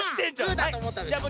グーだとおもったでしょ。